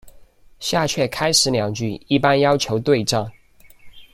下阕开始两句一般要求对仗。